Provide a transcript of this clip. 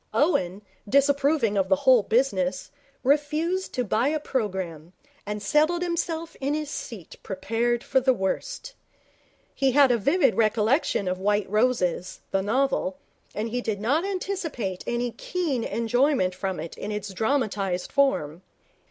Owen, disapproving of the whole business, refused to buy a programme, and settled himself in his seat prepared for the worst. He had a vivid recollection of White Roses, the novel, and he did not anticipate any keen enjoyment from it in its dramatized form.